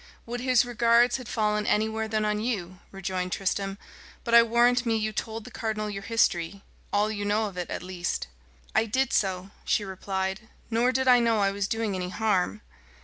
"Would his regards had fallen anywhere than on you," rejoined Tristram. "But I warrant me you told the cardinal your history all you know of it, at least." "I did so," she replied; "nor did I know I was doing any harm."